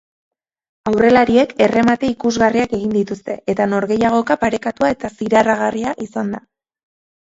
Aurrelariek erremate ikusgarriak egin dituzte eta norgehiagoka parekatua eta zirarragarria izan da.